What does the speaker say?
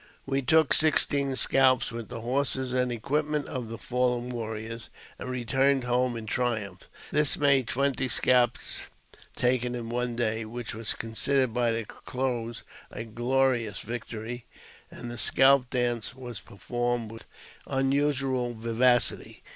We took sixteen scalps, with the horses and equipments of the fallen warriors, and returned home in triumph. This made twenty scalps taken in one day, which was considered by the Crows a glorious victory, and the scalp dance was performed with unusual vivacity.